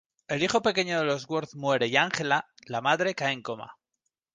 El hijo pequeño de los Worth muere y Ángela, la madre cae en coma.